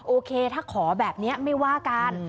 โอเคถ้าขอแบบนี้ไม่ว่ากัน